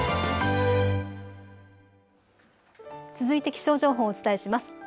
続いて気象情報、お伝えします。